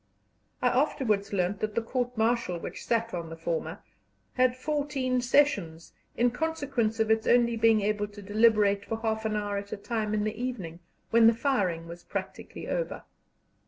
I afterwards learnt that the court martial which sat on the former had fourteen sessions in consequence of its only being able to deliberate for half an hour at a time in the evening, when the firing was practically over.